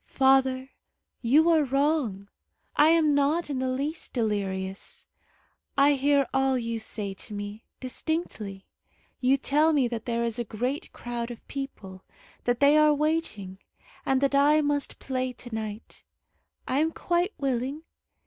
"Father, you are wrong. I am not in the least delirious. I hear all you say to me, distinctly. You tell me that there is a great crowd of people, that they are waiting, and that I must play to night. I am quite willing.